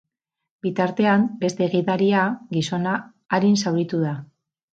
Bitartean, beste gidaria, gizona, arin zauritu da.